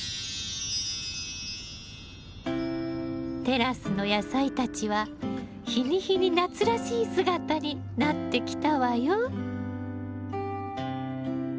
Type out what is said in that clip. テラスの野菜たちは日に日に夏らしい姿になってきたわよ。